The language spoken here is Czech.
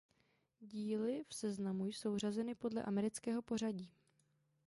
Díly v seznamu jsou řazeny podle amerického pořadí.